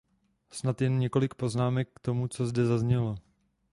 Snad jen několik poznámek k tomu, co zde zaznělo.